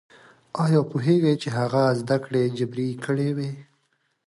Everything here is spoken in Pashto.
ايا پوهېږئ چې هغه زده کړې جبري کړې وې؟